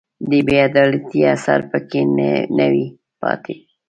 د بې عدالتۍ اثر په کې نه وي پاتې